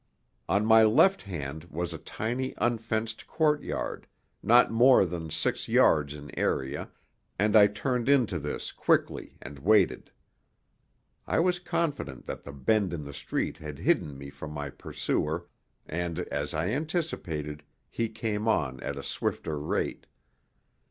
On my left hand was a tiny unfenced courtyard, not more than six yards in area, and I turned into this quickly and waited. I was confident that the bend in the street had hidden me from my pursuer and, as I anticipated, he came on at a swifter rate.